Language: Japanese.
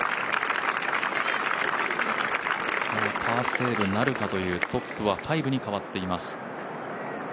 パーセーブなるかというトップは５に変わっています。